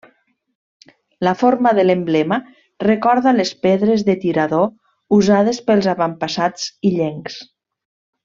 La forma de l'emblema recorda les pedres de tirador usades pels avantpassats illencs.